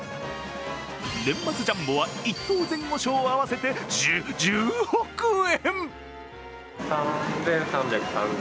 年末ジャンボは、１等・前後賞合わせて１０億円。